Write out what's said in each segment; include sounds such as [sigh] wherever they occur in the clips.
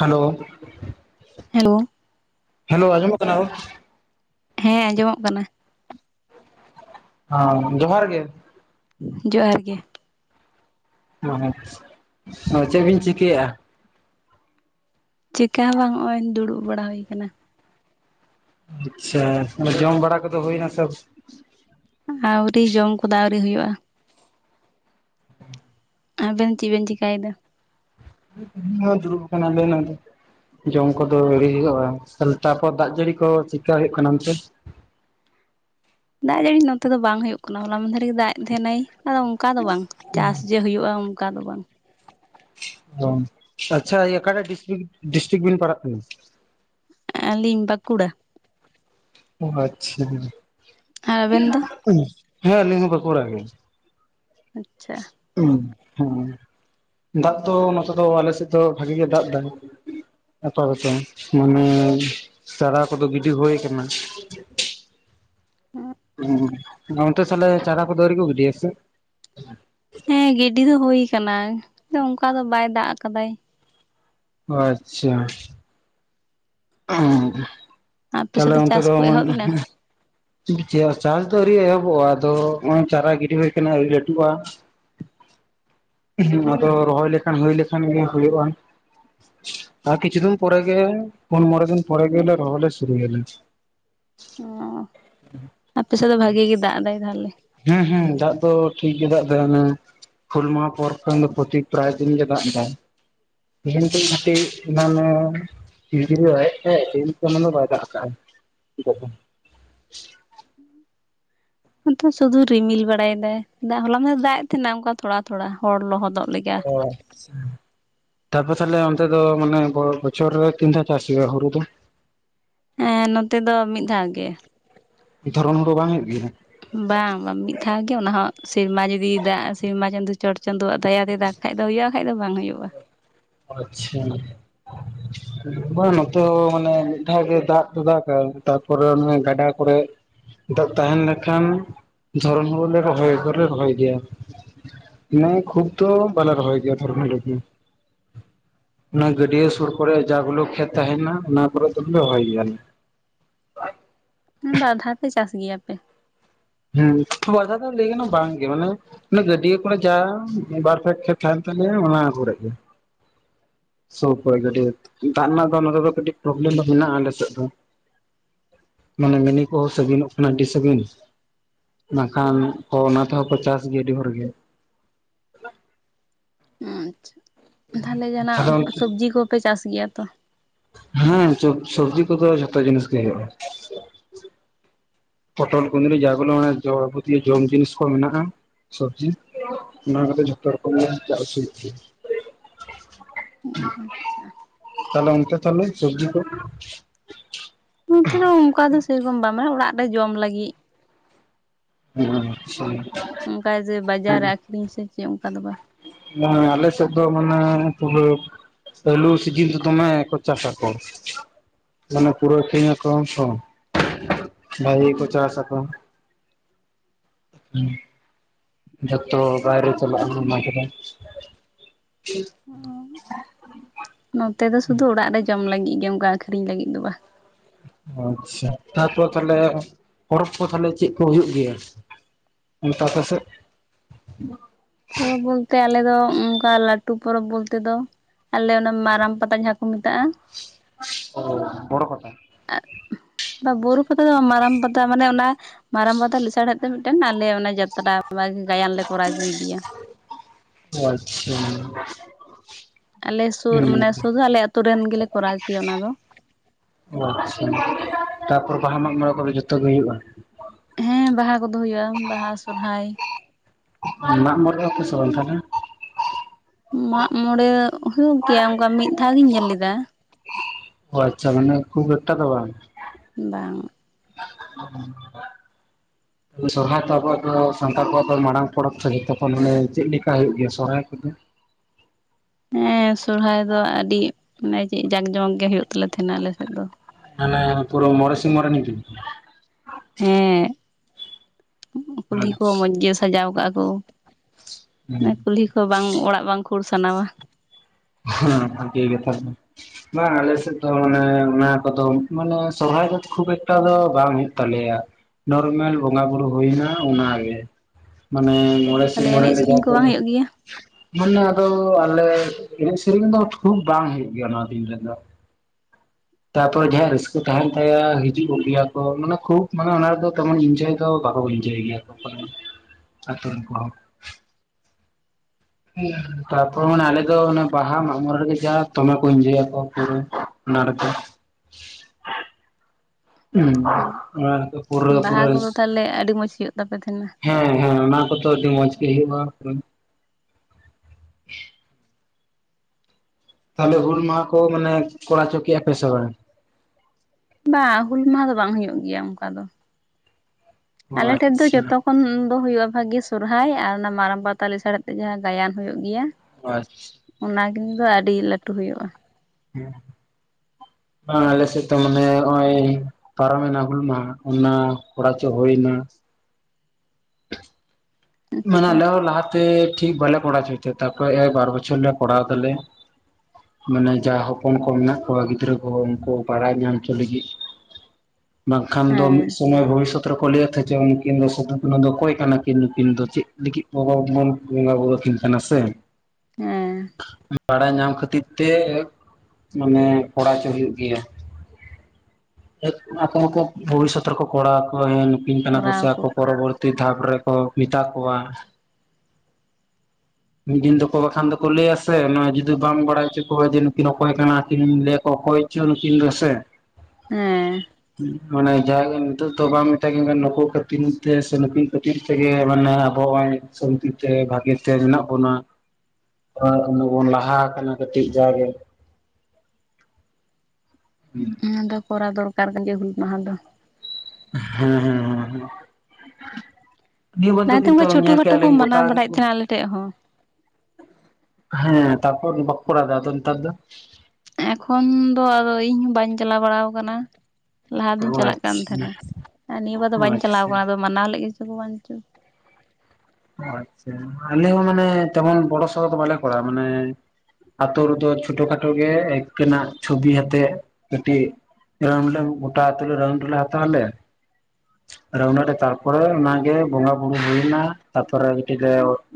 Hello hello hello ᱟᱡᱚᱢ ᱚᱜ ᱠᱟᱱᱟ ᱨᱚᱬ ᱦᱮᱸ ᱟᱸᱡᱚᱢᱚᱜ ᱠᱟᱱᱟ᱾ ᱦ ᱡᱚᱦᱟᱨ ᱜᱮ᱾ ᱡᱚᱦᱟᱨ ᱜᱮ᱾ ᱪᱮᱫ ᱵᱤᱱ ᱪᱤᱠᱟᱹᱭ-ᱟ? ᱪᱮᱠᱟ ᱵᱟᱝ ᱱᱚᱜᱼᱚᱭ ᱫᱩᱲᱩᱵ ᱵᱟᱲᱟ ᱦᱩᱭ ᱟᱠᱟᱱᱟ᱾ ᱟᱪᱪᱷᱟᱮ ᱡᱚᱢ ᱵᱟᱲᱟ ᱠᱚᱫᱚ ᱦᱩᱭᱱᱟ ᱥᱮ? ᱟᱹᱣᱨᱤ ᱡᱚᱢ ᱠᱚᱫᱚ ᱟᱣᱨᱤ ᱦᱩᱭᱩᱜᱼᱟ᱾ [unintelligible] ᱟᱵᱮᱱ ᱪᱮᱫ ᱵᱮᱱ ᱪᱮᱠᱟᱭᱮᱫᱟ? ᱫᱩᱲᱩᱵ ᱠᱟᱱᱟ ᱞᱤᱧ ᱱᱟᱰᱮ᱾ ᱡᱚᱢ ᱠᱚᱫᱚ ᱮᱲᱮ ᱦᱩᱭᱩᱜᱼᱟ ᱛᱟᱯᱚᱨ ᱫᱟᱜ ᱡᱟᱹᱲᱤ ᱠᱚ ᱪᱮᱠᱟ ᱦᱩᱭᱩᱜ ᱠᱟᱱᱟ ᱮᱱᱛᱮ? ᱫᱟᱜ ᱡᱟᱹᱲᱤ ᱱᱚᱛᱮ ᱫᱚ ᱵᱟᱝ ᱦᱩᱭᱩᱜ ᱠᱟᱱᱟ, ᱦᱚᱞᱟ ᱢᱟᱦᱫᱷᱮᱨ ᱜᱮ ᱫᱟᱜ ᱮᱫ ᱛᱟᱦᱮᱱᱟᱭ ᱟᱫᱚ ᱚᱱᱠᱟ ᱫᱚ ᱵᱟᱝ ᱪᱟᱥ ᱡᱮ ᱦᱩᱭᱩᱜᱼᱟ ᱚᱱᱠᱟ ᱫᱚ ᱵᱟᱝ ᱾ ᱟᱪᱪᱷᱟ ᱚᱠᱟᱴᱟᱜ ᱰᱤᱥᱴᱤᱠ ᱰᱤᱥᱴᱤᱠ ᱵᱤᱱ ᱯᱟᱲᱟᱜ ᱠᱟᱱᱟ? ᱟᱹᱞᱤᱧ ᱵᱟᱸᱠᱩᱲᱟ᱾ ᱚ ᱟᱪᱪᱷᱟ᱾ ᱦᱮᱸ ᱟᱵᱤᱱ ᱫᱚ? ᱦᱮᱸ ᱟᱞᱤᱧ ᱦᱚᱸ ᱵᱟᱸᱠᱩᱲᱟ ᱜᱮ᱾ ᱟᱪᱪᱷᱟ᱾ ᱦᱚᱸ ᱦᱮᱸ ᱫᱟᱜ ᱫᱚ ᱱᱚᱛᱮ ᱫᱚ ᱟᱞᱮᱥᱮᱫ ᱫᱚ ᱵᱷᱟᱜᱤ ᱜᱮ ᱫᱟᱜ ᱫᱟᱭ᱾ ᱟᱯᱟᱛᱚᱛᱚ ᱢᱟᱱᱮ ᱪᱟᱨᱟ ᱠᱚᱫᱚ ᱜᱤᱰᱤ ᱦᱩᱭ ᱠᱟᱱᱟ᱾ [unintelligible] [inaudible] ᱦᱩᱸ ᱚᱱᱛᱮ ᱛᱟᱞᱮ ᱪᱟᱨᱟ ᱠᱚ ᱫᱚ ᱟᱣᱨᱤ ᱠᱚ ᱜᱤᱰᱤᱭᱟ ᱥᱮ? ᱦᱮᱸ ᱜᱤᱰᱤ ᱫᱚ ᱦᱳ ᱟᱠᱟᱱᱟ ᱚᱱᱠᱟ ᱫᱚ ᱵᱟᱭ ᱫᱟᱜ ᱟᱠᱟᱫᱟᱭ᱾ ᱚ ᱟᱪᱪᱷᱟ ᱟᱯᱮ ᱥᱮᱫ ᱛᱟᱦᱚᱞᱮ ᱚᱱᱛᱮ ᱪᱟᱥ ᱫᱚ ᱠᱚ ᱮᱦᱚᱵ ᱮᱱᱟ ᱪᱟᱥ ᱫᱚ ᱟᱹᱣᱨᱤ ᱮᱦᱚᱵᱚᱜᱼᱟ ᱟᱫᱚᱭ ᱪᱟᱨᱟ ᱜᱤᱰᱤ ᱦᱩᱭ ᱟᱠᱟᱱᱟ ᱟᱶᱨᱤ ᱞᱟᱹᱴᱩᱜᱼᱟ ᱟᱫᱚ ᱨᱚᱦᱚᱭ ᱞᱮᱠᱷᱟᱱ ᱦᱩᱭ ᱞᱮᱠᱷᱟᱱ ᱜᱮ ᱦᱩᱭᱩᱜᱼᱟ᱾ ᱟᱨ ᱠᱤᱪᱷᱩ ᱫᱤᱱ ᱯᱚᱨᱮᱜ ᱜᱮ ᱯᱩᱱ ᱢᱚᱬᱮ ᱫᱤᱱ ᱯᱚᱨᱮ ᱜᱮ ᱨᱚᱦᱚᱭ ᱞᱮ ᱥᱩᱨᱩᱩᱭᱟᱞᱮ᱾ ᱚᱸ [inaudible] ᱟᱯᱮ ᱥᱮᱜ ᱫᱚ ᱵᱷᱟᱜᱮ ᱜᱮ ᱫᱟᱜ ᱫᱟᱭ ᱛᱟᱦᱚᱞᱮ᱾ ᱦᱮᱸ ᱦᱮᱸ ᱫᱟᱜ ᱫᱚ ᱴᱷᱤᱠ ᱜᱮ ᱫᱟᱜ ᱮᱫᱟᱭ ᱚᱱᱮ ᱦᱩᱞ ᱢᱟᱦᱟ ᱯᱚᱨ ᱠᱷᱚᱱ ᱫᱚ ᱯᱨᱚᱛᱤ ᱯᱨᱟᱭ ᱫᱤᱱ ᱜᱮ ᱫᱟᱜ ᱮᱫᱟᱭ᱾ [unintelligible] ᱮᱱᱟ ᱱᱚ [unintelligible] ᱠᱷᱚᱱ ᱫᱚ ᱵᱟᱭ ᱫᱟᱜ ᱠᱟᱜᱼᱟ᱾ ᱱᱚᱛᱮ ᱥᱩᱫᱩ ᱨᱤᱢᱤᱞ ᱵᱟᱲᱟᱭᱮᱫᱟᱭ ᱫᱟᱜ ᱦᱚᱞᱟ-ᱢᱟᱸᱫᱷᱮᱨᱼᱮ ᱫᱟᱜ ᱮᱫ ᱛᱟᱦᱮᱸᱱᱟ ᱚᱱᱠᱟ ᱛᱷᱚᱲᱟ ᱛᱷᱚᱲᱟ ᱦᱚᱲ ᱞᱚᱦᱚᱫᱚᱜ᱾ ᱞᱮᱠᱟ ᱚ ᱛᱟᱨᱯᱚᱨ ᱛᱟᱦᱚᱞᱮ ᱚᱱᱛᱮ ᱫᱚ ᱢᱟᱱᱮ ᱵᱚᱪᱷᱚᱨ ᱨᱮᱦ ᱛᱤᱱᱫᱷᱟ ᱪᱟᱥ ᱦᱳᱭᱳᱼᱟ ᱦᱳᱲᱳ ᱫᱚ? ᱦᱮᱸ ᱱᱚᱛᱮ ᱫᱚ ᱢᱤᱫ ᱫᱷᱟᱣ ᱜᱮ᱾ ᱫᱷᱚᱨᱚᱱ ᱦᱳᱲᱳ ᱵᱟᱝ ᱦᱩᱭᱩᱜ ᱜᱮᱭᱟ? ᱵᱟᱝ ᱵᱟᱝ ᱢᱤᱫ ᱫᱷᱟᱣ ᱜᱮ ᱚᱱᱟ ᱦᱚᱸ ᱥᱮᱨᱢᱟ ᱡᱩᱫᱤ ᱫᱟᱜ ᱥᱮᱨᱢᱟ ᱪᱟᱸᱫᱚ ᱪᱚᱴ ᱪᱟᱸᱫᱣᱟᱜ ᱫᱟᱭᱟᱛᱮ ᱫᱟᱜ ᱵᱟᱠᱷᱟᱡ ᱫᱚ ᱦᱩᱭᱩᱜᱼᱟ ᱵᱟᱠᱷᱟᱡ ᱫᱚ ᱵᱟᱝ ᱦᱩᱭᱩᱜᱼᱟ᱾ ᱚ ᱟᱪᱪᱷᱟ᱾ ᱵᱟᱝ ᱱᱚᱛᱮ ᱦᱚᱸ ᱢᱟᱱᱮ ᱢᱤᱫ ᱫᱷᱟᱣ ᱜᱮ ᱫᱟᱜ ᱫᱚ ᱫᱟᱜᱠᱟᱫᱟᱭ᱾ ᱯᱚᱨᱮ ᱢᱟᱱᱮ ᱜᱟᱰᱟ ᱠᱚᱨᱮ ᱫᱟᱜ ᱛᱟᱦᱮᱱ ᱞᱮᱠᱷᱟᱱ ᱫᱷᱚᱨᱚᱱ ᱦᱩᱲᱩ ᱞᱮ ᱨᱚᱦᱚᱭ ᱫᱚᱞᱮ ᱨᱚᱦᱚᱭ ᱜᱮᱭᱟ᱾ ᱢᱟᱱᱮ ᱠᱷᱩᱵ ᱫᱚ ᱵᱟᱞᱮ ᱨᱚᱦᱚᱭ ᱜᱮᱭᱟ ᱫᱷᱚᱨᱱ ᱦᱩᱲᱩ ᱫᱚ᱾ ᱚᱱᱟ ᱜᱟᱹᱰᱭᱟᱹ ᱥᱩᱨ ᱠᱚᱨᱮ ᱡᱟ ᱜᱩᱞᱳ ᱠᱷᱮᱛ ᱛᱟᱦᱮᱱᱟ ᱚᱱᱟ ᱠᱚᱨᱮ ᱫᱚᱞᱮ ᱨᱚᱦᱚᱭ ᱜᱮᱭᱟᱞᱮ᱾ ᱦᱮᱸ ᱵᱟᱨ ᱫᱷᱟᱣ ᱯᱮ ᱪᱟᱥ ᱜᱮᱭᱟ ᱯᱮ᱾ ᱦᱮᱸ ᱵᱟᱨᱫᱷᱟᱣ ᱫᱚ ᱞᱟᱹᱭ ᱜᱟᱱᱚᱜ-ᱟ ᱵᱟᱝ ᱜᱮ ᱢᱟᱱᱮ ᱢᱟᱱᱮ ᱜᱟᱹᱰᱭᱟᱹ ᱠᱚᱨᱮ ᱡᱟ ᱵᱟᱨ ᱯᱮ ᱠᱷᱮᱛ ᱛᱟᱦᱮᱱ ᱛᱟᱞᱮᱭᱟ ᱚᱱᱟ ᱠᱚᱨᱮ ᱜᱮ᱾ ᱥᱚᱵ ᱦᱚᱨᱟᱹ ᱜᱟᱰᱭᱟᱫ ᱫᱟᱜ ᱨᱮᱱᱟᱜ ᱫᱚ ᱱᱚᱰᱮ ᱫᱚ ᱠᱟᱹᱴᱤᱡ ᱯᱨᱚᱵᱞᱮᱢ ᱫᱚ ᱢᱮᱱᱟᱜᱼᱟ ᱟᱞᱮ ᱥᱮᱫ ᱫᱚ᱾ ᱢᱟᱱᱮ ᱢᱮᱱᱤ ᱠᱚᱸᱦᱚᱸ ᱥᱟᱺᱜᱤᱧ ᱚᱜ ᱠᱟᱱᱟ ᱟᱰᱤ ᱥᱟᱺᱜᱤᱧ᱾ ᱵᱟᱠᱷᱟᱱ ᱚ ᱚᱱᱟ ᱛᱮᱦᱚᱸ ᱠᱚ ᱪᱟᱥ ᱜᱮᱭᱟ ᱟᱹᱰᱤ ᱦᱚᱲᱜᱮ᱾ ᱟᱪᱪᱷᱟ ᱛᱟᱦᱚᱞᱮ ᱡᱟᱦᱱᱟᱜ ᱛᱟᱦᱞᱮ ᱚᱱᱛᱮ ᱥᱚᱵᱡᱤ ᱠᱚᱯᱮ ᱪᱟᱥ ᱜᱮᱭᱟ ᱛᱚ? ᱦᱟᱸ ᱥᱚᱵ-ᱥᱚᱵᱽᱡᱤ ᱠᱚᱫᱚ ᱡᱷᱚᱛᱚ ᱡᱤᱱᱤᱥ ᱜᱮ ᱦᱩᱭᱩᱜᱼᱟ᱾ ᱯᱚᱴᱚᱞ, ᱠᱩᱫᱽᱨᱤ ᱡᱟ ᱜᱩᱞᱳ ᱢᱟᱱᱮ ᱡᱟᱵᱚᱛᱤᱭᱚ ᱡᱚᱢ ᱡᱤᱱᱤᱥ ᱠᱚ ᱢᱮᱱᱟᱜᱼᱟ᱾ ᱥᱚᱵᱡᱤ ᱚᱱᱟ ᱠᱚᱫᱚ ᱡᱷᱚᱛᱚ ᱨᱚᱠᱚᱢ ᱜᱮ ᱪᱟᱥ ᱦᱩᱭᱩᱜ ᱜᱮᱭᱟ᱾ [unintelligible] [unintelligible] ᱟᱪᱪᱷᱟ᱾ ᱛᱟᱦᱚᱞᱮ ᱚᱱᱛᱮ ᱛᱟᱦᱚᱞᱮ ᱥᱚᱵᱡᱤ ᱠᱚ? ᱱᱚᱱᱛᱮᱫᱚ ᱚᱱᱠᱟ ᱫᱚ ᱥᱮᱨᱚᱠᱚᱢ ᱵᱟᱝ ᱢᱟᱱᱮ ᱚᱲᱟᱜ ᱨᱮ ᱡᱚᱢ ᱞᱟᱹᱜᱤᱫ᱾ [unintelligible] ᱚᱱᱠᱟ ᱡᱮ ᱵᱟᱡᱟᱨ ᱨᱮ ᱟᱠᱷᱨᱤᱧ ᱥᱮ ᱪᱮᱫ ᱚᱱᱠᱟ ᱫᱚ ᱵᱟᱝ᱾ ᱡᱟᱸᱦᱟ ᱟᱞᱮ ᱥᱮᱫ ᱫᱚ ᱢᱟᱱᱮ ᱯᱩᱨᱟᱹ ᱟᱞᱩ ᱥᱤᱡᱤᱱ ᱫᱚᱢᱮ ᱠᱚ ᱪᱟᱥ ᱟ ᱠᱚ᱾ ᱢᱟᱱᱮ ᱯᱩᱨᱳ ᱟᱠᱷᱨᱤᱧ ᱟᱠᱚ ᱠᱚᱸ ᱵᱷᱟᱹᱜᱤ ᱜᱮᱠᱚ ᱪᱟᱥ ᱟᱠᱚ᱾ ᱦᱩᱸ ᱡᱚᱛᱚ ᱵᱟᱭᱨᱮ ᱪᱟᱞᱟᱜᱼᱟ ᱟᱠᱚ ᱢᱟᱡᱽᱷᱨᱮ ᱪᱤᱞ ᱱᱚᱛᱮ ᱫᱚ ᱥᱩᱫᱩ ᱚᱲᱟᱜ ᱨᱮ ᱡᱚᱢ ᱞᱟᱹᱜᱤᱫ ᱜᱮ ᱚᱱᱠᱟ ᱟᱠᱷᱨᱤᱧ ᱞᱟᱹᱜᱤᱫ ᱫᱚ ᱵᱟᱝ᱾ ᱚ ᱟᱪᱪᱷᱟ ᱛᱟᱯᱚᱨ ᱛᱟᱦᱞᱮ ᱯᱚᱨᱚᱵᱽ ᱠᱚ ᱛᱟᱦᱞᱮ ᱪᱮᱫ ᱠᱚ ᱦᱩᱭᱩᱜ ᱜᱮᱭᱟ? ᱚᱱᱠᱟ ᱟᱯᱮᱥᱮᱫ? ᱯᱚᱨᱚᱵᱽ ᱵᱚᱞᱛᱮ ᱟᱞᱮ ᱫᱚ ᱚᱱᱠᱟ ᱞᱟᱹᱴᱩ ᱯᱚᱨᱚᱵᱽ ᱵᱚᱞᱛᱮ ᱫᱚ ᱟᱞᱮ ᱚᱱᱟ ᱢᱟᱨᱟᱢ ᱯᱟᱛᱟ ᱡᱟᱦᱟᱸ ᱠᱚ ᱢᱮᱛᱟᱜᱼᱟ᱾ ᱚ ᱵᱚᱲᱳ ᱯᱟᱛᱟ᱾ ᱟᱸᱜ ᱵᱚᱨᱳ ᱯᱟᱛᱟ ᱫᱚ ᱵᱟᱝ ᱢᱟᱨᱟᱢᱯᱟᱛᱟ ᱢᱟᱱᱮ ᱚᱱᱟ ᱢᱟᱨᱟᱢᱯᱟᱛᱟ ᱞᱮᱥᱟᱲ ᱦᱮᱫ ᱛᱮ ᱟᱫᱚ ᱢᱤᱫᱴᱮᱱ ᱟᱞᱮ ᱚᱱᱮ ᱡᱟᱛᱨᱟ ᱵᱟᱝ ᱜᱟᱭᱟᱱ ᱞᱮ ᱠᱚᱨᱟᱣ ᱦᱚᱪᱚᱭ ᱜᱮᱭᱟ᱾ ᱚ ᱟᱪᱪᱷᱟ᱾ ᱟᱞᱮ ᱥᱩᱨ ᱦᱩᱸ ᱢᱟᱱᱮ ᱥᱩᱫᱷᱩ ᱟᱞᱮ ᱟᱹᱛᱩ ᱨᱮᱱ ᱜᱮᱞᱮ ᱠᱚᱨᱟᱣ ᱦᱚᱪᱚᱭᱟ ᱚᱱᱟ ᱫᱚ᱾ ᱚ ᱟᱪᱪᱷᱟ, ᱛᱟᱯᱚᱨ ᱵᱟᱦᱟ ᱢᱟᱜ ᱢᱚᱬᱮ ᱠᱚᱫᱚ ᱡᱚᱛᱚ ᱜᱮ ᱦᱩᱭᱩᱜᱼᱟ? ᱦᱮᱸ ᱵᱟᱦᱟ ᱠᱚᱫᱚ ᱦᱩᱭᱩᱜᱼᱟ ᱵᱟᱦᱟ ᱥᱚᱨᱦᱟᱭ᱾ ᱢᱟᱜᱢᱚᱬᱮ ᱟᱯᱮ ᱥᱮ ᱵᱟᱝ ᱛᱟᱦᱚᱞᱮ? ᱢᱟᱜᱢᱚᱲᱮ ᱦᱩᱭᱩᱜ ᱜᱮᱭᱟ ᱚᱱᱠᱟ ᱢᱤᱫ ᱫᱷᱟᱣ ᱜᱤᱧ ᱧᱮᱞ ᱞᱮᱫᱟ᱾ ᱟᱪᱷᱟ ᱢᱟᱱᱮ ᱠᱷᱩᱵ ᱮᱠᱴᱟ ᱫᱚ ᱵᱟᱝ? ᱵᱟᱝ ᱩᱸ [inaudible] ᱥᱚᱦᱨᱟᱭ ᱫᱚ ᱟᱵᱚᱣᱟᱜ ᱫᱚ ᱥᱟᱱᱛᱟᱲ ᱠᱚᱣᱟᱜ ᱫᱚ ᱢᱟᱲᱟᱝ ᱯᱚᱨᱚᱵᱽ, ᱛᱚ ᱡᱚᱛᱚᱠᱷᱚᱱ ᱢᱟᱱᱮ ᱪᱮᱫᱞᱮᱠᱟ ᱦᱩᱭᱩᱜ ᱜᱮᱭᱟ ᱥᱚᱨᱦᱟᱭ ᱠᱚᱫᱚ? ᱦᱮᱸ ᱥᱚᱨᱦᱟᱭ ᱫᱚ ᱟᱹᱰᱤ ᱚᱱᱮ ᱡᱮ ᱡᱟᱠ ᱡᱚᱢᱚᱠ ᱜᱮ ᱦᱩᱭᱩᱜ ᱛᱟᱞᱮ ᱛᱟᱦᱮᱸᱱᱟ ᱟᱞᱮ ᱥᱮᱫ ᱫᱚ᱾ ᱢᱟᱱᱮ ᱯᱩᱨᱟᱹ ᱢᱚᱨᱮ ᱥᱤᱧ ᱢᱚᱨᱮ ᱧᱤᱫᱟᱹ? ᱦᱮᱸ ᱠᱩᱞᱦᱤ ᱠᱚ ᱟᱪᱪᱷᱟ ᱢᱚᱸᱡᱽ ᱜᱮ ᱥᱟᱡᱟᱣ ᱠᱟᱜᱼᱟ ᱠᱚ᱾ ᱦᱩᱸ ᱠᱩᱞᱦᱤ ᱠᱷᱚ ᱵᱟᱝ ᱚᱲᱟᱜ ᱵᱟᱝ ᱠᱷᱩᱲ ᱥᱟᱱᱟᱣᱟ᱾ ᱦᱮᱸ ᱵᱷᱟᱜᱮ ᱜᱮ ᱛᱟᱦᱚᱞᱮ᱾ ᱵᱟᱝ ᱟᱞᱮ ᱥᱮᱫ ᱫᱚ ᱢᱟᱱᱮ ᱚᱱᱟ ᱠᱚᱫᱚ ᱢᱟᱱᱮ ᱥᱚᱦᱨᱟᱭ ᱠᱷᱩᱵ ᱮᱠᱴᱟ ᱫᱚ ᱵᱟᱝ ᱦᱩᱭᱩᱜ ᱛᱟᱞᱮᱭᱟ᱾ ᱱᱚᱨᱢᱟᱞ ᱵᱚᱸᱜᱟ ᱵᱩᱨᱩ ᱦᱩᱭ ᱱᱟ ᱚᱱᱟ ᱜᱮ᱾ ᱢᱟᱱᱮ ᱢᱚᱬᱮ ᱥᱤᱝ ᱛᱟᱦᱞᱮ ᱢᱚᱬᱮ ᱮᱱᱮᱡ ᱧᱤᱫᱟᱹ ᱥᱮᱨᱮᱧ ᱡᱟᱦᱟ ᱠᱚ ᱵᱟᱝ ᱮᱱᱮᱡ ᱦᱩᱭᱩᱜ ᱜᱮᱭᱟ ᱢᱟᱱᱮ ᱟᱫᱚ ᱟᱞᱮ ᱮᱱᱮᱡ ᱥᱮᱨᱮᱧ ᱫᱚ ᱠᱷᱩᱵ ᱵᱟᱝ ᱦᱩᱭᱩᱜ ᱜᱮᱭᱟ ᱱᱚᱣᱟ ᱫᱤᱱ ᱨᱮᱫᱚ᱾ ᱛᱟᱯᱚᱨ ᱡᱟᱦᱟᱸ ᱨᱟᱹᱥᱠᱟᱹ ᱛᱟᱦᱮᱱ ᱛᱟᱭᱟ ᱦᱤᱡᱩᱜ ᱚᱜ ᱜᱮᱭᱟ ᱠᱚ ᱢᱟᱱᱮ ᱠᱷᱩᱵ ᱢᱟᱱᱮ ᱚᱱᱟ ᱨᱮᱫᱚ ᱛᱮᱢᱚᱱ ᱤᱱᱡᱚᱭ ᱫᱚ ᱵᱟᱠᱚ ᱤᱱᱡᱚᱭ ᱜᱮᱭᱟ ᱠᱚ ᱟᱛᱩ ᱨᱮᱱ ᱠᱚᱦᱚᱸ᱾ ᱦᱩᱸ ᱛᱟᱨᱯᱚᱨ ᱢᱟᱱᱮ ᱟᱞᱮ ᱫᱚ ᱵᱟᱦᱟ ᱢᱟᱜ ᱢᱚᱬᱮ ᱨᱮᱜᱮ ᱡᱟ ᱫᱚᱢᱮ ᱠᱚ ᱤᱱᱡᱚᱭᱟᱠᱚ ᱯᱩᱨᱟᱹ ᱚᱱᱟ ᱨᱮᱫᱚ᱾ [inaudible] ᱦᱩᱸ ᱟᱨ ᱫᱚ ᱯᱩᱨᱟ. ᱯᱩᱨᱟᱹ ᱵᱟᱦᱟ ᱠᱚᱫᱚ ᱛᱟᱦᱚᱞᱮ ᱟᱹᱰᱤ ᱢᱚᱸᱡᱽ ᱦᱩᱭᱩᱜ ᱛᱟᱯᱮ ᱛᱟᱦᱮᱱᱟ ᱦᱮᱸ ᱦᱮᱸ ᱚᱱᱟ ᱠᱚᱛᱚ ᱟᱹᱰᱤ ᱢᱚᱸᱡᱽ ᱜᱮ ᱦᱩᱭᱩᱜᱼᱟ᱾ [unintelligible] ᱛᱟᱦᱞᱮ ᱦᱩᱞ ᱢᱟᱦᱟ ᱠᱚ ᱢᱟᱱᱮ ᱠᱚᱨᱟ ᱪᱚ ᱠᱮᱭᱟ ᱯᱮ ᱥᱮ ᱵᱟᱝ? ᱵᱟ ᱦᱩᱞ ᱢᱟᱦᱟ ᱫᱚ ᱵᱟᱝ ᱦᱩᱭᱩᱜ ᱜᱮᱭᱟ ᱚᱱᱠᱟ ᱫᱚ᱾ ᱚ ᱟᱞᱮ ᱴᱷᱮᱫ ᱫᱚ ᱟᱪᱪᱷᱟ ᱡᱚᱛᱚ ᱠᱷᱚᱱ ᱫᱚ ᱦᱳᱭᱳᱼᱟ ᱵᱷᱟᱜᱤ ᱥᱚᱨᱦᱟᱭ ᱟᱨ ᱚᱱᱟ ᱢᱟᱨᱟᱝ ᱯᱟᱛᱟ ᱞᱟᱥᱟᱲᱦᱮᱫ ᱛᱮ ᱡᱟᱦᱟᱸ ᱜᱟᱭᱟᱱ ᱦᱳᱭᱳᱜ ᱜᱮᱭᱟ ᱟ [unintelligible] ᱚᱱᱟ ᱜᱤᱱ ᱫᱚ ᱟᱹᱰᱤ ᱞᱟᱹᱴᱩ ᱦᱩᱭᱩᱜᱼᱟ᱾ ᱦᱩᱸ ᱟᱞᱮ ᱥᱮᱫ ᱛᱚ ᱢᱟᱱᱮ ᱱᱚᱜᱼᱚᱭ ᱯᱟᱨᱚᱢᱮᱱᱟ ᱦᱩᱞ ᱢᱟᱦᱟ ᱚᱱᱟ ᱠᱚᱨᱟ ᱪᱚ ᱦᱩᱭ ᱮᱱᱟ᱾ ᱢᱟᱱᱮ ᱟᱪᱪᱷᱟ ᱟᱞᱮ ᱦᱚᱸ ᱞᱟᱦᱟᱛᱮ ᱴᱷᱤᱠ ᱵᱟᱞᱮ ᱠᱚᱲᱟᱣ ᱪᱚᱭ ᱛᱟᱦᱮᱸᱜ ᱛᱟᱯᱚᱨ ᱮ ᱵᱟᱨ ᱵᱚᱪᱷᱚᱨ ᱞᱮ ᱠᱚᱨᱟᱣ ᱫᱟᱞᱮ᱾ ᱢᱟᱱᱮ ᱡᱟ ᱦᱚᱯᱚᱱ ᱠᱚ ᱢᱮᱱᱟᱜ ᱠᱚᱣᱟ ᱜᱤᱫᱽᱨᱟᱹ ᱠᱚ ᱩᱱᱠᱩ ᱵᱟᱲᱟᱭ ᱧᱟᱢ ᱦᱚᱪᱚ ᱞᱟᱹᱜᱤᱫ, ᱵᱟᱝ ᱠᱷᱟᱱ ᱫᱚ ᱢᱤᱫ ᱦᱮᱸ ᱥᱚᱢᱚᱭ ᱵᱷᱚᱵᱤᱥᱚᱛ ᱠᱚ ᱞᱟᱹᱭᱟ ᱚᱛᱷᱚᱪᱚ ᱱᱩᱠᱤᱱ ᱫᱚ ᱥᱤᱫᱩ ᱠᱟᱹᱱᱦᱩ ᱫᱚ ᱚᱠᱚᱭ ᱠᱟᱱᱟ ᱠᱤᱱ ᱱᱩᱠᱤᱱ ᱫᱚ? ᱪᱮᱫ ᱞᱤᱜᱤᱫ ᱵᱟᱵᱚ ᱵᱚᱸᱜᱟ ᱵᱩᱨᱩ ᱟᱠᱤᱱ ᱠᱟᱱᱟ ᱥᱮ ᱦᱮᱸ ᱵᱟᱲᱟᱭ ᱧᱟᱢ ᱠᱷᱟᱹᱛᱤᱨ ᱛᱮ ᱢᱟᱱᱮ ᱠᱚᱨᱟᱪᱚ ᱦᱩᱭᱩᱜ ᱜᱮᱭᱟ ᱟᱯ ᱠᱚ ᱵᱷᱚᱵᱤᱥᱚᱛ ᱨᱮᱠᱚ ᱠᱚᱨᱟᱣ ᱠᱚ ᱯᱤᱱᱱᱟ ᱠᱚ ᱠᱚᱨᱟᱣ ᱥᱮ ᱟᱠᱚ ᱠᱚ ᱯᱚᱨᱚᱵᱚᱨ ᱛᱷᱟᱯᱚᱨᱮ ᱠᱚ ᱢᱮᱛᱟ ᱠᱚᱣᱟ ᱢᱤᱫ ᱫᱤᱱ ᱫᱚᱠᱚ ᱵᱟᱠᱷᱟᱱ ᱫᱚᱠᱚ ᱞᱟᱹᱭᱟ ᱥᱮ ᱡᱩᱫᱤ ᱵᱟᱢ ᱵᱟᱲᱟᱭ ᱦᱚᱪᱚ ᱠᱚᱣᱟ ᱡᱮ ᱱᱩᱠᱤᱱ ᱚᱠᱚᱭ ᱠᱟᱱᱟ ᱠᱤᱱ ᱞᱟᱹᱭᱟᱠᱚ ᱚᱠᱚᱭ ᱪᱚᱱ ᱠᱤᱱ ᱨᱮᱥᱮ ᱦᱮᱸᱻᱦᱮᱸ ᱢᱟᱱᱮ ᱡᱟ ᱜᱮ ᱱᱤᱛᱚᱜ ᱫᱚ ᱵᱟᱝ ᱢᱮᱛᱟ ᱠᱤᱱ ᱠᱟᱱᱟ ᱱᱩᱠᱩ ᱠᱷᱟᱹᱛᱤᱨ ᱛᱮ ᱥᱮ ᱱᱩᱠᱤᱱ ᱠᱷᱟᱹᱛᱤᱨ ᱛᱮᱜᱮ ᱢᱟᱱᱮ ᱟᱵᱚ ᱱᱚᱭ ᱥᱟᱱᱛᱤ ᱛᱮ ᱵᱷᱟᱜᱮ ᱛᱮ ᱢᱮᱱᱟᱜ ᱵᱚ ᱚᱱᱟ ᱚᱱᱮ ᱵᱚᱱ ᱞᱟᱦᱟ ᱟᱠᱟᱱᱟ ᱠᱟᱹᱴᱤᱡ ᱡᱟᱜᱮ ᱦᱩᱸ ᱚᱱᱟ ᱫᱚ ᱠᱚᱨᱟᱣ ᱫᱚᱨᱠᱟᱨ ᱠᱟᱱ ᱜᱮᱭᱟ ᱦᱩᱞ ᱢᱟᱦᱟ ᱫᱚ ᱦᱮᱸ ᱦᱮᱸ ᱦᱮᱸ ᱱᱤᱭᱟᱹ ᱵᱟᱨ ᱫᱚ ᱞᱟᱦᱟᱛᱮ ᱠᱤᱱᱛᱩ ᱚᱱᱠᱟ ᱪᱷᱳᱴᱳ ᱧᱮᱞ ᱠᱷᱟᱴᱳ ᱠᱚ ᱠᱮᱟᱞᱤᱧ ᱜᱚᱴᱟ ᱢᱟᱱᱟᱣ ᱜᱮ ᱵᱟᱲᱟᱭᱮᱫ ᱠᱚ ᱛᱟᱦᱮᱱᱟ ᱟᱞᱮ ᱴᱷᱮᱡ ᱦᱚᱸ ᱦᱮᱸ ᱛᱟᱨᱯᱚᱨ ᱵᱟᱠᱚ ᱠᱚᱨᱟᱣ ᱫᱟ ᱱᱮᱛᱟᱨ ᱫᱚ ᱮᱠᱷᱚᱱ ᱫᱚ ᱟᱫᱚ ᱤᱧ ᱦᱚᱸ ᱵᱟᱹᱧ ᱪᱟᱞᱟᱣ ᱵᱟᱲᱟᱣ ᱠᱟᱱᱟ ᱞᱟᱦᱟ ᱫᱩᱧ ᱚ ᱪᱟᱞᱟᱜ ᱠᱟᱱ ᱟᱪᱪᱷᱟ ᱛᱟᱦᱮᱸᱱᱟ ᱟᱨ ᱱᱤᱭᱟᱹ ᱵᱟᱨ ᱫᱚ ᱵᱟᱹᱧ ᱪᱟᱞᱟᱣ ᱟᱪᱪᱷᱟ ᱟᱠᱟᱱᱟ ᱟᱫᱚ ᱢᱟᱱᱟᱣ ᱞᱮᱫ ᱜᱮᱪᱚ ᱠᱚ ᱵᱟᱝ ᱪᱚ ᱟᱪᱪᱷᱟ ᱟᱞᱮ ᱦᱚᱸ ᱢᱟᱱᱮ ᱛᱮᱢᱚᱱ ᱵᱚᱲᱚ ᱥᱚᱲᱚ ᱫᱚ ᱵᱟᱞᱮ ᱠᱚᱨᱟᱣᱟ ᱢᱟᱱᱮ ᱟᱛᱳ ᱨᱮᱫᱚ ᱪᱷᱳᱴᱚ ᱠᱷᱟᱴᱳ ᱜᱮ ᱤᱝᱠᱟᱹᱱᱟᱜ ᱪᱷᱚᱵᱤ ᱟᱛᱮᱫ ᱜᱮ ᱠᱟᱹᱴᱤᱡ ᱜᱚᱴᱟ ᱟᱛᱳ ᱨᱮ ᱨᱟᱣᱩᱱᱰ ᱞᱮ ᱦᱟᱛᱟᱣ ᱟᱞᱮ ᱟᱨ ᱚᱱᱟ ᱨᱮ ᱛᱟᱨᱯᱚᱨᱮ ᱚᱱᱟ ᱜᱮ ᱵᱚᱸᱜᱟ ᱵᱩᱨᱩ ᱦᱩᱭᱱᱟ ᱛᱟᱯᱚᱨᱮ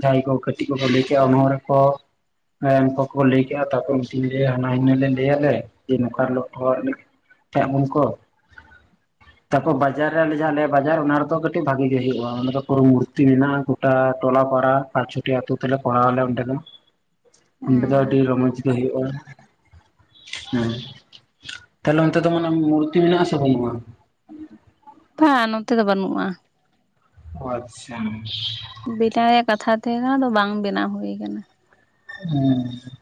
ᱡᱟᱦᱟᱸᱭ ᱠᱚ ᱠᱟᱹᱴᱤᱡ ᱠᱚᱠᱚ ᱞᱟᱹᱭ ᱠᱮᱜᱼᱟ ᱚᱱᱚᱲᱦᱮ ᱠᱚ ᱦᱮᱸ ᱩᱱᱠᱩ ᱠᱚ ᱞᱟᱹᱭ ᱠᱮᱜᱼᱟ ᱛᱟᱨᱯᱚᱨ ᱞᱟᱹᱭᱟ ᱦᱟᱱᱟ ᱱᱤᱭᱟᱹ ᱞᱮ ᱞᱟᱹᱭ ᱟᱞᱮ ᱡᱮ ᱱᱚᱝᱠᱟ ᱞᱚᱠᱷᱚᱱ ᱨᱤᱱᱤᱡ ᱦ [unintelligible] ᱩᱱᱠᱩ ᱛᱟᱯᱚᱨ ᱵᱟᱡᱟᱨ ᱨᱮ ᱟᱞᱮ ᱡᱟᱦᱟᱸ ᱟᱞᱮ ᱵᱟᱡᱟᱨ ᱚᱱᱟ ᱨᱮᱫᱚ ᱠᱟᱹᱴᱤᱡ ᱵᱷᱟᱜᱤ ᱜᱮ ᱦᱳᱭᱳᱜᱼᱟ ᱚᱱᱟ ᱫᱚ ᱯᱩᱨᱟ ᱢᱩᱨᱛᱤ ᱢᱮᱱᱟᱜᱼᱟ ᱜᱚᱴᱟ ᱴᱚᱞᱟ ᱯᱟᱲᱟ ᱟᱨ ᱯᱟᱸᱪ ᱪᱷᱚᱴᱤ ᱟᱛᱳ ᱛᱮᱞᱮ ᱠᱚᱨᱟᱣ ᱟᱞᱮ ᱚᱸᱰᱮ ᱫᱚ ᱚᱸᱰᱮ ᱫᱚ ᱟᱹᱰᱤ ᱦᱮᱸ ᱨᱚᱢᱚᱡᱽ ᱜᱮ ᱠᱚ ᱦᱩᱭᱩᱜᱼᱟ ᱦᱮᱸ ᱛᱟᱦᱞᱮ ᱚᱱᱛᱮ ᱫᱚ ᱢᱟᱱᱮ ᱢᱩᱨᱛᱤ ᱢᱮᱱᱟᱜᱼᱟ ᱥᱮ ᱵᱟᱹᱱᱩᱜᱼᱟ ᱵᱟᱝ ᱱᱚᱛᱮ ᱫᱚ ᱵᱟᱹᱱᱩᱜᱼᱟ ᱟᱪᱪᱷᱟ ᱵᱮᱱᱟᱣ ᱨᱮᱭᱟᱜ ᱠᱟᱛᱷᱟ ᱛᱟᱦᱮᱸ ᱠᱟᱱᱟ ᱟᱫᱚ ᱵᱟᱝ ᱵᱮᱱᱟᱣ ᱦᱩᱭ ᱠᱟᱱᱟ ᱦᱮᱸ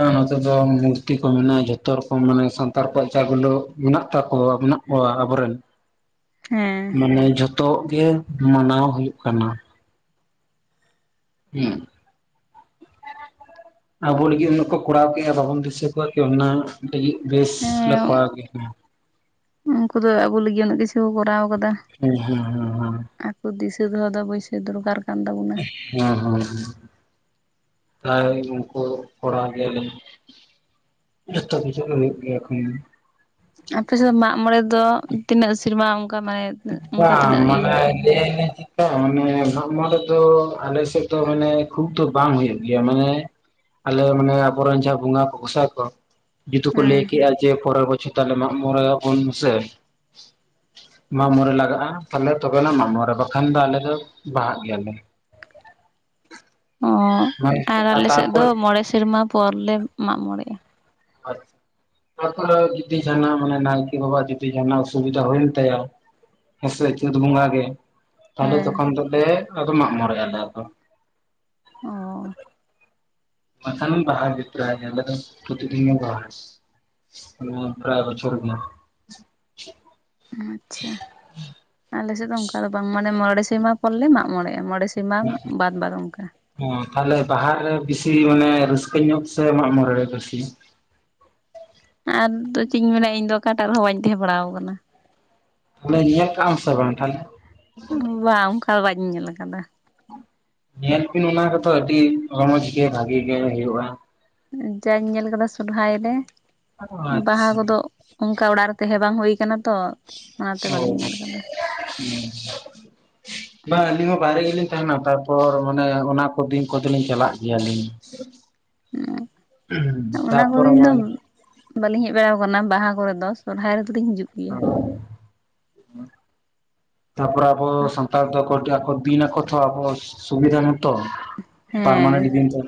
ᱮ ᱱᱚᱛᱮ ᱫᱚ ᱢᱩᱨᱛᱤ ᱠᱚ ᱢᱮᱱᱟᱜᱼᱟ ᱡᱷᱚᱛᱚ ᱨᱚᱠᱚᱢ ᱢᱟᱱᱮ ᱥᱟᱱᱛᱟᱲ ᱠᱚᱣᱟᱜ ᱡᱟ ᱜᱩᱞᱳ ᱢᱮᱱᱟᱜ ᱛᱟᱠᱚᱣᱟ ᱢᱮᱱᱟᱜ ᱚ ᱟᱵᱚᱨᱮᱱ ᱦᱮᱸ ᱢᱟᱱᱮ ᱡᱷᱚᱛᱚ ᱜᱮ ᱢᱟᱱᱟᱣ ᱦᱩᱭᱩᱜ ᱠᱟᱱᱟ ᱦᱮᱸ ᱟᱵᱚ ᱞᱟᱹᱜᱤᱫ ᱩᱱᱟ ᱠᱚ ᱠᱚᱨᱟᱣ ᱠᱮᱜᱼᱟ ᱵᱟᱵᱚᱱ ᱫᱤᱥᱟᱹ ᱠᱚᱣᱟ ᱠᱤ ᱚᱱᱟ ᱵᱮᱥ ᱞᱮ ᱠᱚᱨᱟᱣ ᱠᱮᱭᱟ ᱩᱱᱝᱠᱩ ᱫᱚ ᱟᱵᱩ ᱞᱟᱹᱜᱤᱫ ᱩᱱᱟᱹᱜ ᱠᱤᱪᱷᱩ ᱠᱚ ᱠᱚᱨᱟᱣ ᱠᱟᱫᱟ ᱦᱮᱸ ᱦᱮᱸ ᱦᱩᱸ ᱦᱮᱸ ᱟᱠᱚ ᱫᱤᱥᱟᱹ ᱫᱚᱦᱚ ᱫᱚ ᱟᱵᱚᱭᱥᱟᱹ ᱫᱚᱨᱠᱟᱨ ᱠᱟᱱ ᱛᱟᱵᱚᱱᱟ ᱦᱮᱸ ᱦᱮᱸ ᱯᱨ ᱩᱱᱠᱩ ᱠᱚᱲᱟ ᱜᱮᱞᱮ ᱡᱚᱛᱚ ᱠᱤᱪᱷᱩ ᱫᱚ ᱦᱩᱭᱩᱜ ᱜᱮᱭᱟ ᱮᱠᱷᱚᱱ ᱟᱯᱮ ᱥᱮᱫ ᱫᱚ ᱢᱟᱜ ᱢᱚᱬᱮ ᱫᱚ ᱛᱤᱱᱟᱹᱜ ᱥᱮᱨᱢᱟ ᱚᱱᱠᱟ ᱢᱟᱱᱮ ᱚᱱᱠᱟ ᱛᱤᱱᱟᱹᱜ ᱤᱭᱟᱹ ᱦᱩᱭᱩᱜ ᱛᱟᱦᱮᱱᱟ ᱦᱮᱸ ᱢᱟᱱᱮ ᱢᱟᱜ ᱢᱚᱬᱮ ᱫᱚ ᱟᱞᱮ ᱥᱮᱫ ᱫᱚ ᱢᱟᱱᱮ ᱠᱷᱩᱵ ᱫᱚ ᱵᱟᱝ ᱦᱩᱭᱩᱜ ᱜᱮᱭᱟ ᱢᱟᱱᱮ ᱟᱞᱮ ᱢᱟᱱᱮ ᱟᱵᱚᱨᱮᱱ ᱡᱟᱦᱟᱸ ᱵᱚᱸᱜᱟ ᱠᱚᱥᱟ ᱠᱚ ᱡᱩᱫᱤ ᱠᱚ ᱞᱟᱹᱭ ᱦᱮᱸ ᱠᱮᱜᱼᱟ ᱡᱮ ᱯᱚᱨᱮᱨ ᱵᱚᱪᱷᱚᱨ ᱛᱟᱦᱚᱞᱮ ᱢᱟᱜ ᱢᱚᱬᱮ ᱟᱵᱚᱱ ᱢᱮᱥᱮ ᱢᱟᱜ ᱢᱚᱬᱮ ᱞᱟᱜᱟᱜᱼᱟ ᱛᱟᱦᱚᱞᱮ ᱛᱚᱵᱮᱱᱟᱜ ᱢᱟᱜ ᱢᱚᱬᱮ ᱵᱟᱠᱷᱟᱱ ᱫᱚ ᱟᱞᱮ ᱫᱚ ᱵᱟᱦᱟᱜ ᱜᱮᱭᱟᱞᱮ ᱚ ᱢᱟᱱᱮ ᱟᱨ ᱟᱞᱮ ᱥᱮᱫ ᱫᱚ ᱛᱟᱨᱯᱚᱨ ᱢᱚᱬᱮ ᱥᱮᱨᱢᱟ ᱯᱚᱨ ᱞᱮ ᱢᱟᱜ ᱢᱚᱬᱮᱜ-ᱟ ᱟᱪᱷᱟ ᱛᱟ ᱡᱤᱫᱤ ᱥᱮᱨᱢᱟ ᱡᱩᱫᱤ ᱢᱟᱱᱮ ᱱᱟᱭᱠᱮ ᱵᱟᱵᱟ-ᱟᱜ ᱡᱩᱫᱤ ᱡᱟᱦᱟᱱᱟᱜ ᱚᱥᱩᱵᱤᱫᱷᱟ ᱦᱩᱭᱮᱱ ᱛᱟᱭᱟ ᱦᱮᱸᱥᱮ ᱪᱟᱹᱛ ᱵᱚᱸᱜᱟ ᱜᱮ ᱛᱟᱦᱚᱞᱮ ᱦᱮᱸ ᱛᱚᱠᱷᱚᱱ ᱫᱚᱞᱮ ᱟᱫᱚ ᱢᱟᱜ ᱢᱚᱬᱮᱜ ᱟᱞᱮ ᱟᱫᱚ ᱚ ᱵᱟᱝᱠᱷᱟᱱ ᱵᱟᱦᱟ ᱜᱮ ᱯᱨᱟᱭ ᱟᱞᱮ ᱫᱚ ᱯᱨᱚᱛᱤᱫᱤᱱ ᱜᱮ ᱵᱟᱦᱟ ᱯᱨᱟᱭ ᱵᱚᱪᱷᱚᱨ ᱜᱮ ᱟᱪᱪᱷᱟ ᱟᱞᱮ ᱥᱮᱫ ᱫᱚ ᱚᱱᱠᱟ ᱫᱚ ᱵᱟᱝ ᱢᱟᱱᱮ ᱢᱚᱬᱮ ᱥᱮᱨᱢᱟ ᱯᱚᱨ ᱞᱮ ᱢᱟᱜᱢᱚᱬᱮᱜ ᱟ ᱢᱚᱬᱮ ᱥᱤᱢᱟᱢ ᱵᱟᱫ ᱵᱟᱫ ᱚᱱᱠᱟ ᱦᱚ ᱛᱟᱦᱚᱞᱮ ᱵᱟᱦᱟᱨ ᱨᱮ ᱵᱤᱥᱤ ᱢᱟᱱᱮ ᱨᱟᱹᱥᱠᱟᱹ ᱧᱚᱜ ᱥᱮ ᱢᱟᱜ ᱢᱚᱬᱮ ᱨᱮ ᱵᱮᱥᱤ ᱟᱨᱫᱚ ᱪᱮᱫ ᱤᱧ ᱢᱮᱱᱟ ᱤᱧ ᱫᱚ ᱚᱠᱟᱴᱟᱜ ᱨᱮᱦᱚᱸ ᱵᱟᱹᱧ ᱛᱟᱦᱮᱸ ᱵᱟᱲᱟᱣ ᱟᱠᱟᱱᱟ ᱛᱟᱦᱚᱞᱮ ᱱᱤᱭᱟᱹ ᱠᱟᱜ ᱟᱢ ᱥᱮ ᱵᱟᱝ ᱛᱟᱦᱚᱞᱮ ᱵᱟᱝ ᱚᱱᱠᱟ ᱵᱟᱧ ᱧᱮᱞ ᱠᱟᱫᱟ ᱧᱮᱞ ᱵᱤᱱ ᱚᱱᱟ ᱠᱚᱫᱚ ᱟᱹᱰᱤ ᱨᱚᱢᱚᱡᱽ ᱜᱮ ᱵᱷᱟᱜᱤ ᱜᱮ ᱦᱩᱭᱩᱜᱼᱟ ᱡᱟᱧ ᱧᱮᱞ ᱠᱟᱫᱟ ᱥᱚᱨᱦᱟᱭ ᱨᱮ ᱚ ᱵᱟᱦᱟ ᱟᱪᱪᱷᱟ ᱠᱚᱫᱚ ᱚᱱᱠᱟ ᱚᱲᱟᱜ ᱨᱮ ᱛᱟᱦᱮᱸ ᱵᱟᱝ ᱦᱩᱭ ᱠᱟᱱᱟ ᱛᱚ ᱚᱱᱟᱛᱮ ᱚ ᱵᱟᱹᱞᱤᱧ ᱧᱮᱞ ᱟᱠᱟᱫᱟ ᱦᱮᱸ [unintelligible] ᱵᱟᱝ ᱟᱹᱞᱤᱧ ᱦᱚᱸ ᱵᱟᱭᱨᱮ ᱜᱮᱞᱤᱧ ᱛᱟᱦᱮᱱᱟ ᱛᱟᱨᱯᱚᱨ ᱢᱟᱱᱮ ᱚᱱᱟ ᱠᱚ ᱫᱤᱱ ᱠᱚᱫᱚ ᱞᱤᱧ ᱪᱟᱞᱟᱜ ᱜᱮᱭᱟ [unintelligible] ᱦᱮᱸ ᱚᱱᱟ ᱠᱚᱜᱮ ᱤᱧ ᱫᱚ ᱢᱟᱱᱮ ᱵᱟᱹᱞᱤᱧ ᱦᱮᱡ ᱵᱟᱲᱟ ᱟᱠᱟᱱᱟ ᱵᱟᱦᱟ ᱠᱚᱨᱮᱫᱚ ᱥᱚᱨᱦᱟᱭ ᱨᱮᱫᱚᱞᱤᱧ ᱦᱤᱡᱩᱜ ᱜᱮᱭᱟ ᱛᱟᱨᱯᱚᱨ ᱟᱵᱚ ᱥᱟᱱᱛᱟᱲ ᱫᱚᱠᱚ ᱫᱤᱱ ᱟᱠᱚ ᱛᱚ ᱟᱵᱚ ᱥᱩᱵᱤᱫᱷᱟ ᱢᱚᱛᱚ ᱦᱮᱸ ᱯᱟᱨᱢᱟᱱᱮᱱᱴ ᱫᱤᱱ ᱛᱚ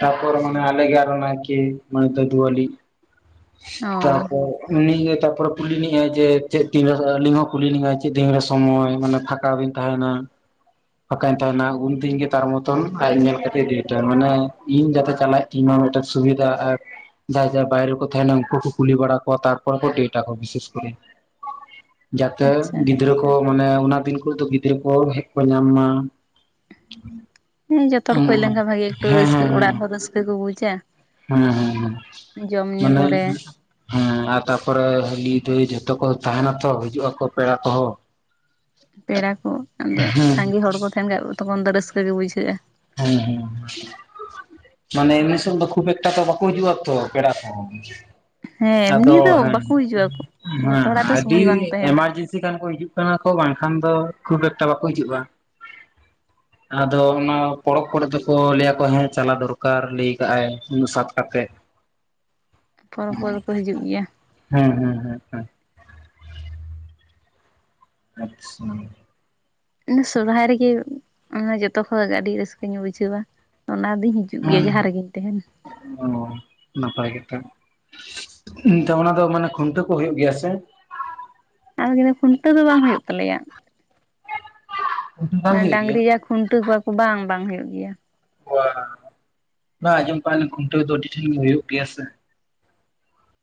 ᱛᱟᱨᱯᱚᱨ ᱢᱟᱱᱮ ᱟᱞᱮ ᱜᱮ ᱟᱨᱚ ᱱᱟᱭᱠᱮ ᱢᱟᱱᱮ ᱫᱟᱫᱩᱣᱟᱞᱤ ᱚ [unintelligible] ᱛᱟᱨᱯᱚᱨ ᱩᱱᱤᱜᱮ ᱛᱟᱯᱚᱨᱮ ᱠᱩᱞᱤ ᱞᱤᱧᱟᱭ ᱡᱮ ᱪᱮᱫ ᱛᱤᱱ ᱨᱮ ᱟᱹᱞᱤᱧ ᱦᱚᱸ ᱠᱩᱞᱤ ᱞᱤᱧᱟᱭ ᱪᱮᱫ ᱫᱤᱱ ᱨᱮ ᱥᱚᱢᱚᱭ ᱢᱟᱱᱮ ᱯᱷᱟᱸᱠᱟ ᱵᱤᱱ ᱛᱟᱦᱮᱱᱟ ᱯᱷᱟᱠᱟᱧ ᱛᱟᱦᱮᱱᱟ ᱩᱱ ᱫᱤᱱ ᱜᱮ ᱛᱟᱨ ᱢᱚᱛᱚᱱ ᱟᱡ ᱧᱮᱞ ᱠᱟᱛᱮᱫ ᱪᱤᱢ ᱞ, ᱟᱭ ᱢᱟᱱᱮ ᱤᱧ ᱡᱟᱛᱮ ᱪᱟᱞᱟᱜ ᱛᱤᱱᱟ ᱢᱮᱫᱴᱟᱜ ᱥᱩᱵᱤᱫᱷᱟ ᱮᱯ ᱡᱟᱦᱟᱭ ᱡᱟᱦᱟᱭ ᱵᱟᱭᱨᱮ ᱠᱚ ᱛᱟᱦᱮᱱᱟ ᱚᱱᱠᱩ ᱠᱚ ᱠᱩᱞᱤ ᱵᱟᱲᱟ ᱠᱟᱣᱟ ᱛᱟᱨᱯᱚᱨ ᱠᱚ ᱰᱮᱴ ᱟᱠᱚᱣᱟ ᱵᱤᱥᱮᱥ ᱠᱚᱨᱮ ᱡᱟᱛᱮ ᱟᱪᱪᱷᱟ ᱜᱤᱫᱽᱨᱟᱹ ᱠᱚ ᱢᱟᱱᱮ ᱚᱱᱟ ᱫᱤᱱ ᱠᱚᱨᱮ ᱫᱚ ᱜᱤᱫᱽᱨᱟᱹ ᱠᱚ ᱦᱮᱡ ᱧᱟᱢ ᱢᱟ ᱦᱮᱸ ᱡᱚᱛ ᱦᱚᱲ ᱦᱮᱡ ᱞᱮᱱᱠᱷᱟᱱ ᱵᱷᱟᱜᱤ ᱮᱠᱴᱩ ᱦᱮᱸ ᱨᱟᱹᱥᱠᱟᱹ ᱦᱮᱸ ᱚᱲᱟᱜ ᱨᱮᱦᱚᱸ ᱨᱟᱹᱥᱠᱟᱹ ᱠᱚ ᱵᱩᱡᱟ [unintelligible] ᱦᱮᱸ ᱦᱮᱸ ᱦᱮᱸ ᱡᱚᱢ ᱧᱩ ᱢᱟᱱᱮ ᱠᱚᱨᱮ ᱦᱮᱸ ᱟᱨ ᱛᱟᱯᱚᱨᱮ ᱦᱟᱹᱞᱤ ᱫᱷᱟᱹᱭ ᱡᱷᱚᱛᱚ ᱠᱚ ᱛᱟᱦᱮᱱᱟᱛᱚ ᱦᱤᱡᱩᱜ ᱟᱠᱚ ᱯᱮᱲᱟ ᱠᱚᱦᱚᱸ ᱯᱮᱲᱟ ᱠᱚ ᱟᱫᱚ ᱦᱮᱸ ᱥᱟᱸᱜᱮ ᱦᱚᱲ ᱠᱚ ᱛᱟᱦᱮᱱ ᱠᱷᱟᱡ ᱛᱚᱠᱷᱚᱱ ᱫᱚ ᱨᱟᱹᱥᱠᱟᱹ ᱜᱮ ᱵᱩᱡᱷᱟᱹᱜᱼᱟ ᱦᱮᱸ ᱦᱮᱸ ᱦ [unintelligible] ᱢᱟᱱᱮ ᱢᱤᱥᱚᱱ ᱫᱚ ᱠᱷᱩᱵᱽ ᱮᱠᱴᱟ ᱛᱚ ᱵᱟᱠᱚ ᱦᱤᱡᱩᱜᱼᱟ ᱛᱚ ᱯᱮᱲᱟ ᱠᱚ ᱦᱮᱸ ᱮᱢᱱᱤ ᱟᱫᱚ ᱫᱚ ᱦᱮᱸ ᱵᱟᱠᱚ ᱦᱤᱡᱩᱜᱼᱟ ᱦᱮᱸ ᱡᱚᱛᱚ ᱦᱚᱲᱟᱜ ᱛᱚ ᱟᱹᱰᱤ ᱥᱚᱢᱚᱭ ᱵᱟᱝ ᱛᱟᱦᱮᱱᱟ ᱮᱢᱟᱨᱡᱮᱱᱥᱤ ᱡᱟᱹ ᱠᱷᱟᱱ ᱠᱚ ᱦᱤᱡᱩᱜ ᱠᱟᱱᱟ ᱠᱚ ᱵᱟᱝᱠᱷᱟᱱ ᱫᱚ ᱠᱷᱩᱵ ᱮᱠᱴᱟ ᱵᱟᱠᱚ ᱦᱤᱡᱩᱜᱼᱟ ᱟᱫᱚ ᱚᱱᱟ ᱯᱚᱨᱚᱵᱽ ᱠᱚᱨᱮ ᱫᱚᱠᱚ ᱞᱟᱹᱭᱟᱠᱚ ᱦᱮᱸ ᱪᱟᱞᱟᱣ ᱫᱚᱨᱠᱟᱨ ᱞᱟᱹᱭ ᱠᱟᱜ ᱟᱭ ᱩᱱᱟᱹᱜ ᱥᱟᱛ ᱠᱟᱛᱮᱫ ᱯᱚᱨᱚᱵᱽ ᱠᱚᱫᱚ ᱠᱚ ᱦᱤᱡᱩᱜ ᱜᱮᱭᱟ [unintelligible] [inaudible] ᱦᱮᱸ ᱦᱮᱸ ᱦᱮᱸ ᱦᱮᱸ ᱟᱪᱷᱟ [unintelligible] ᱥᱚᱨᱦᱟᱭ ᱨᱮᱜᱮ ᱚᱱᱟ ᱡᱚᱛᱚ ᱠᱷᱚᱡ ᱟᱹᱰᱤ ᱨᱟᱹᱥᱠᱟᱹᱧ ᱵᱩᱡᱷᱟᱹᱣᱟ ᱚᱱᱟ ᱟᱫᱚᱧ ᱦᱤᱡᱩᱜ ᱜᱮᱭᱟ ᱦᱮᱸ ᱡᱟᱦᱟᱸ ᱨᱮᱜᱮᱧ ᱛᱟᱦᱮᱸᱱ ᱚ ᱱᱟᱯᱟᱭ ᱜᱮᱛᱚ ᱚᱱᱟ ᱫᱚ ᱢᱟᱱᱮ ᱠᱷᱩᱱᱴᱟᱹᱣ ᱠᱚ ᱦᱩᱭᱩᱜ ᱜᱮᱭᱟ ᱥᱮ ᱟᱫᱚ ᱤᱱᱟᱹ ᱠᱷᱩᱱᱴᱟᱹᱣ ᱫᱚ ᱵᱟᱝ ᱦᱩᱭᱩᱜ ᱛᱟᱞᱮᱭᱟ ᱠᱷᱩᱱᱴᱟᱹᱣ ᱵᱟᱝ ᱢᱟᱱᱮ ᱦᱩᱭᱩᱜ ᱜᱮᱭᱟ ᱰᱟᱝᱜᱨᱤ ᱡᱟ ᱠᱷᱩᱱᱴᱟᱹᱣ ᱠᱚᱣᱟ ᱠᱚ ᱵᱟᱝ ᱵᱟᱝ ᱦᱩᱭᱩᱜ ᱜᱮᱭᱟ ᱚ ᱵᱟᱝ ᱟᱸᱡᱚᱢ ᱠᱷᱩᱱᱴᱟᱹᱣ ᱫᱚ ᱟᱹᱰᱤ ᱴᱷᱮᱱ ᱜᱮ ᱦᱩᱭᱩᱜ ᱜᱮᱭᱟ ᱥᱮ